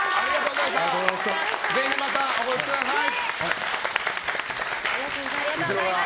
ぜひまたお越しください！